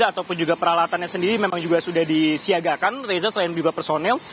ataupun juga peralatannya sendiri memang juga sudah disiagakan reza selain juga personel